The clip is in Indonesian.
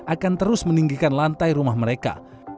akan terus meninggikan lantai rumah mereka